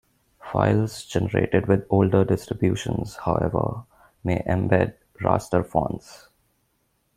Files generated with older distributions, however, may embed raster fonts.